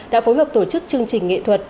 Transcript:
đã phối hợp tổ chức chương trình nghệ thuật